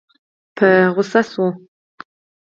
په غوسه شو.